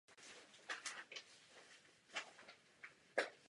Ale zajímalo by mě to taky.